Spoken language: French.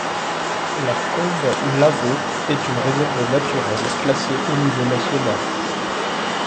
La combe Lavaux est une réserve naturelle classée au niveau national.